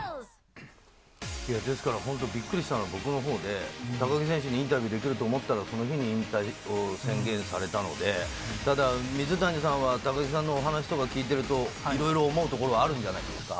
ですから本当、びっくりしたのは、僕のほうで、高木選手にインタビューできると思ったら、その日に引退を宣言されたので、ただ、水谷さんは、高木さんのお話しとか聞いてると、いろいろ思うところがあるんじゃないですか。